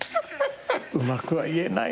うまくは言えないなぁ。